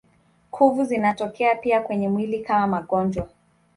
Kuvu zinatokea pia kwenye mwili kama magonjwa.